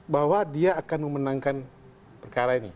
bahwa dia akan memenangkan perkara ini